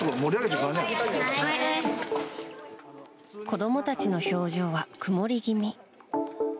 子供たちの表情は曇り気味。